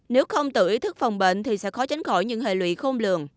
nếu không tự ý thức phòng bệnh thì sẽ khó tránh khỏi những hệ lụy khôn lường